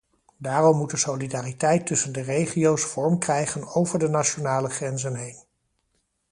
Daarom moet de solidariteit tussen de regio's vorm krijgen over de nationale grenzen heen.